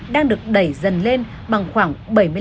đang được đẩy dần lên bằng khoảng bảy mươi năm